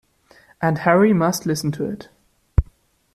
And Harry must listen to it.